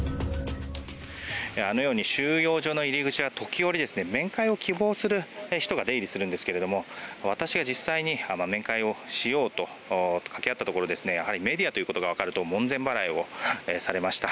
あのように収容所の入り口には時折、面会を希望する人が出入りするんですけれども私が実際に面会をしようと掛け合ったところメディアということが分かると門前払いをされました。